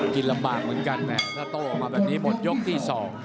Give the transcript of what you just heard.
กินลำบากเหมือนกันแหมถ้าโต้ออกมาแบบนี้หมดยกที่๒